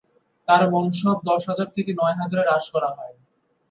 তাঁর মনসব দশ হাজার থেকে নয় হাজারে হ্রাস করা হয়।